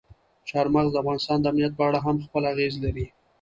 چار مغز د افغانستان د امنیت په اړه هم خپل اغېز لري.